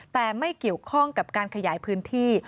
แต่ไม่เกี่ยวข้องกับการขยายพื้นที่